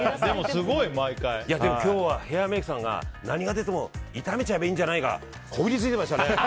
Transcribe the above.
でも今日はヘアメイクさんが何が出ても炒めちゃえばいいんじゃない？がこびりついてましたね。